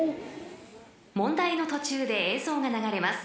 ［問題の途中で映像が流れます］